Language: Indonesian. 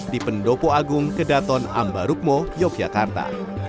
di pendopo agung kedaton ambarukmo yogyakarta